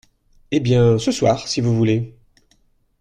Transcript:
Eh ! bien, ce soir, si vous voulez…